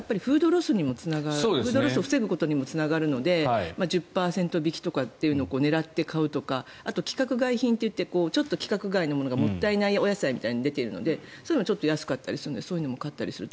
それってフードロスを防ぐことにもつながるので１０％引きとかってのを狙って買うとかあと規格外品といって規格外のものがもったいないお野菜みたいに出ているのでそういうの安かったりするのでそういうのを買ったりする。